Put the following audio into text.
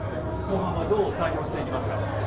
後半はどう対応しますか。